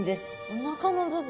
おなかの部分。